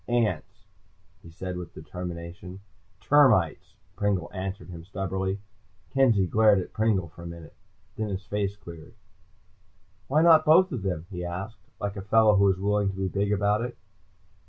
"Ants," he said with determination. "Termites," Pringle answered him stubbornly. Kenzie glared at Pringle for a minute, then his face cleared. "Why not both of them?" he asked, like a fellow who was willing to be big about it.